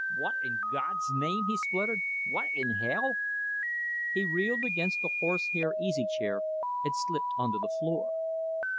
"What in God's name!" he spluttered. "What in hell !" He reeled against the horsehair easy chair and slipped on to the floor.